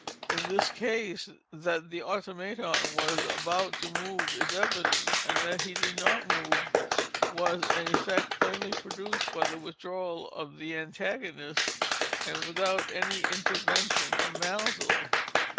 In this case, that the Automaton was about to move is evident—and that he did not move, was an effect plainly produced by the withdrawal of the antagonist, and without any intervention of Maelzel.